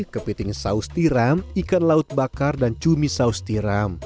kepiting saus tiram ikan laut bakar dan cumi saus tiram